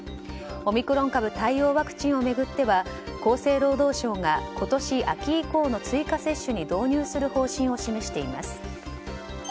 オミクロン株対応ワクチンを巡っては厚生労働省が今年秋以降の追加接種に導入する方針を示しています。